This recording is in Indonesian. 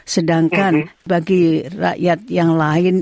sedangkan bagi rakyat yang lain